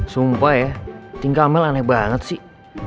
sumpah ya tinggal mel aneh banget sih